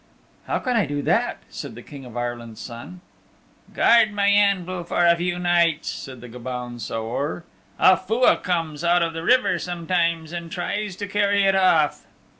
"How can I do that?" said the King of Ireland's Son. "Guard my anvil for a few nights," said the Gobaun Saor. "A Fua comes out of the river sometimes and tries to carry it off."